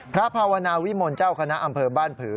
ภาวนาวิมลเจ้าคณะอำเภอบ้านผือ